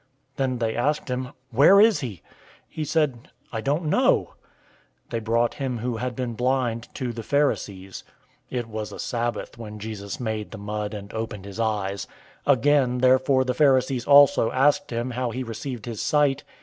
009:012 Then they asked him, "Where is he?" He said, "I don't know." 009:013 They brought him who had been blind to the Pharisees. 009:014 It was a Sabbath when Jesus made the mud and opened his eyes. 009:015 Again therefore the Pharisees also asked him how he received his sight.